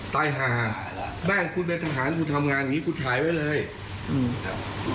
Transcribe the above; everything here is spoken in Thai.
ตายหาบ้านคุณเป็นทหารคุณทำงานอย่างงี้คุณถ่ายไว้เลยอืมครับ